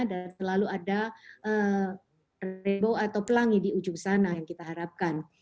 dan selalu ada rainbow atau pelangi di ujung sana yang kita harapkan